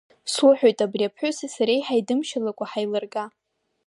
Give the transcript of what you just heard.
Суҳәоит абри аԥҳәыси сареи ҳаидымшьылакәа ҳаилырга.